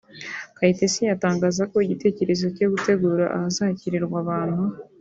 Kayitesi atangaza ko igitekerezo cyo gutegura ahazakirirwa abantu